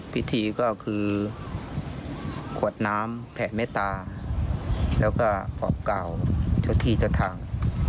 พิธีก็คือกรวดน้ำแผลเมตตาแล้วก็บอกก่าวท่อทีท่อทาง